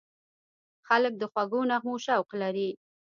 خلک د خوږو نغمو شوق لري.